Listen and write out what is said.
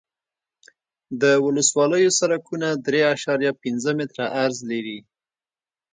د ولسوالیو سرکونه درې اعشاریه پنځه متره عرض لري